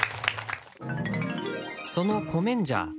そのコメンジャー